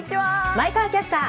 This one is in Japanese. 前川キャスター。